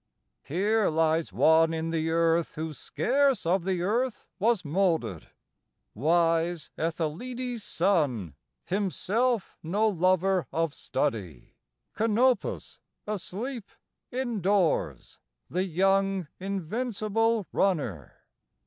VII Here lies one in the earth who scarce of the earth was moulded, Wise Æthalides' son, himself no lover of study, Cnopus, asleep, indoors: the young invincible runner.